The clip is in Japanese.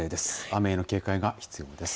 雨への警戒が必要です。